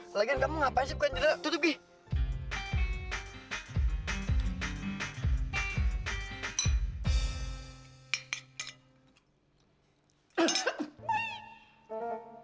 lagi kan kamu ngapain sih bukan drek tutup gih